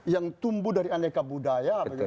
yang tumbuh dari aneka budaya